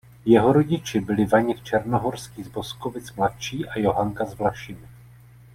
Jeho rodiči byli Vaněk Černohorský z Boskovic mladší a Johanka z Vlašimi.